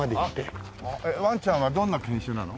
ワンちゃんはどんな犬種なの？